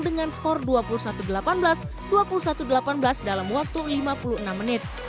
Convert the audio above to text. dengan skor dua puluh satu delapan belas dua puluh satu delapan belas dalam waktu lima puluh enam menit